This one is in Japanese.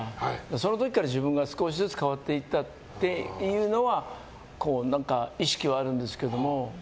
その時から自分が少しずつ変わっていったというのは意識はあるんですけども。